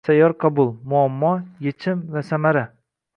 Sayyor qabul: muammo, yechim va samara